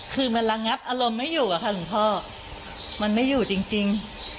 คือมันระงับอารมณ์ไม่อยู่อะค่ะหลวงพ่อมันไม่อยู่จริง